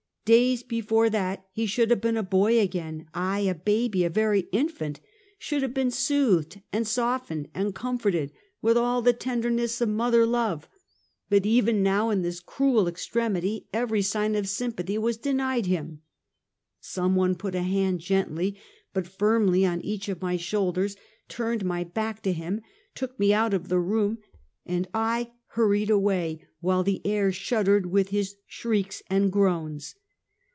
Days be fore that he should have been " a boy again; " aye, a baby, a very infant — should have been soothed and softened and comforted with all the tenderness of moth er love; but even now, in this cruel extremity, every sign of sympathy was denied him. Some one put a hand gently but firmly on each of my shoulders, turned my back to him, took me out of the room, and I hurried awav, while the air shuddered with his shrieks and groans.